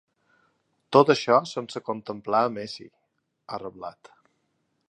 “Tot això sense contemplar a Messi”, ha reblat.